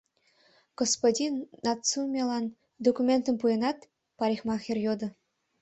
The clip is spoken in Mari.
Господин Нацумелан документым пуэнат? — парикмахер йодо.